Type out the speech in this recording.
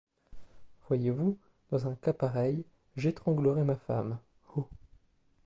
Voyez-vous, dans un cas pareil, j'étranglerais ma femme, oh!